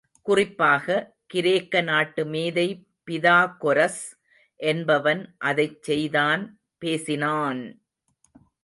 குறிப்பாக, கிரேக்க நாட்டு மேதை பிதாகொரஸ் என்பவன் அதைச் செய்தான் பேசினான்!